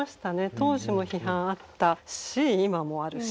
当時も批判あったし今もあるし。